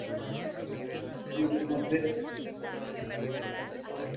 Dispone de un hotel y de un conjunto de casas rurales.